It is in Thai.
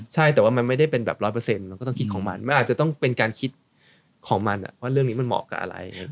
ใช่แต่ว่ามันไม่ได้เป็นแบบร้อยเปอร์เซ็นต์เราก็ต้องคิดของมันมันอาจจะต้องเป็นการคิดของมันว่าเรื่องนี้มันเหมาะกับอะไร